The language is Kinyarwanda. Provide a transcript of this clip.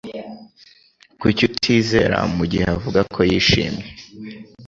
Kuki utizera mugihe avuga ko yishimye?